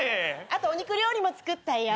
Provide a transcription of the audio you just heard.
あとお肉料理も作ったよ。